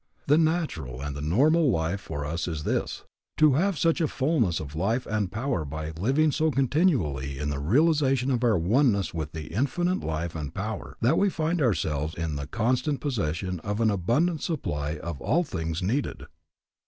The natural and the normal life for us is this, To have such a fullness of life and power by living so continually in the realization of our oneness with the Infinite Life and Power that we find ourselves in the constant possession of an abundant supply of all things needed.